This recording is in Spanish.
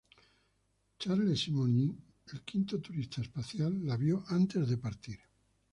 Charles Simonyi, el quinto turista espacial la vio antes de partir.